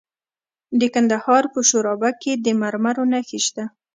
د کندهار په شورابک کې د مرمرو نښې شته.